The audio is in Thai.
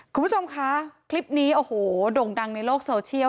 คุณผู้ชมคะคลิปนี้โอ้โหโด่งดังในโลกโซเชียล